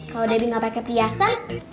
kalau debi gak pake priasa